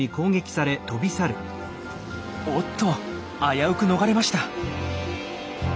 おっと危うく逃れました。